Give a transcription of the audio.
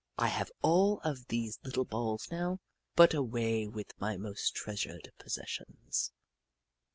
I have all of these little balls now, put away with my most treasured possessions.